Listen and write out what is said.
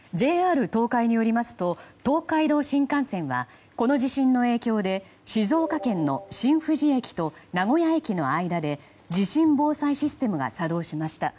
ＪＲ東海によりますと東海道新幹線はこの地震の影響で静岡県の新富士駅と名古屋駅の間で地震防災システムが作動しました。